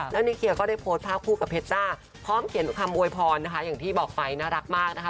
แล้วนิเคียก็ได้โพสต์ภาพคู่กับเพชรจ้าพร้อมเขียนคำโวยพรนะคะอย่างที่บอกไปน่ารักมากนะคะ